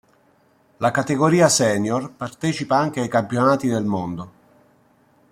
La categoria Senior partecipa anche ai campionati del mondo.